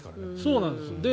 そうなんです。